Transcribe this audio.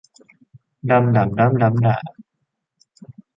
ดำ ด่ำ ด้ำ ด๊ำ ด๋ำ